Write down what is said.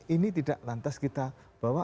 ini tidak lantas kita bawa